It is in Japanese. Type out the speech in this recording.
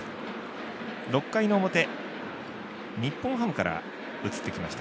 ６回の表、日本ハムから移ってきました